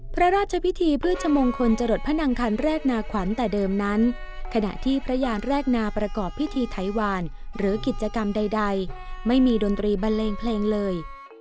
พระราชพิธีพฤชมงคลจรดพระนังคันแรกนาขวัญแต่เดิมนั้นขณะที่พระยานแรกนาประกอบพิธีไถวานหรือกิจกรรมใดไม่มีดนตรีบันเลงเพลงเลย